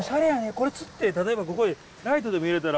これつって例えばここへライトでも入れたら。